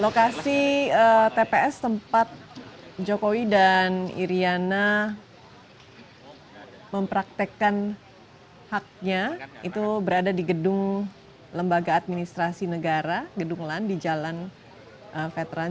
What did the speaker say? lokasi tps tempat jokowi dan iryana mempraktekkan haknya itu berada di gedung lembaga administrasi negara gedung lan di jalan veteran